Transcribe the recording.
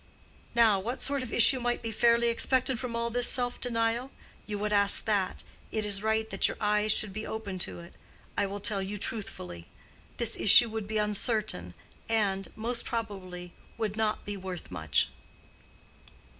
"Now, what sort of issue might be fairly expected from all this self denial? You would ask that. It is right that your eyes should be open to it. I will tell you truthfully. This issue would be uncertain, and, most probably, would not be worth much."